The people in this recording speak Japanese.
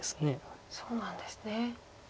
そうなんですね。